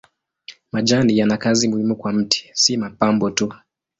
Majani yana kazi muhimu kwa mti si mapambo tu.